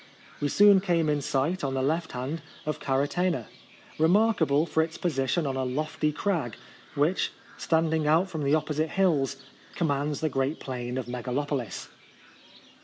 We soon came in sight, on the left hand, of Kary tena, remarkable for its position on a lofty crag which, standing out from the opposite hills, commands the great plain of Megalopolis.